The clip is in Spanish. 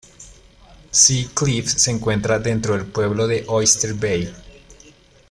Sea Cliff se encuentra dentro del pueblo de Oyster Bay.